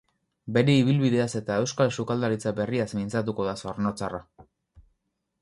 Bere ibilbideaz eta euskal sukaldaritza berriaz mintzatuko da zornotzarra.